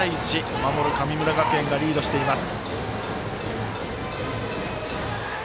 守る神村学園がリードしています。